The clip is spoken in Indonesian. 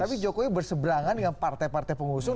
tapi jokowi berseberangan dengan partai partai pengusung